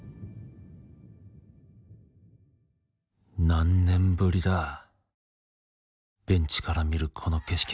何年ぶりだベンチから見るこの景色